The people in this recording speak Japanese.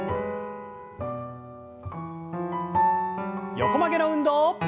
横曲げの運動。